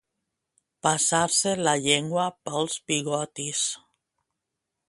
Passar-se la llengua pels bigotis.